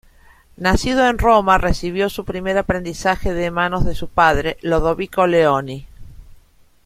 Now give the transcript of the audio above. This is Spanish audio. Nacido en Roma, recibió su primer aprendizaje de manos de su padre, Lodovico Leoni.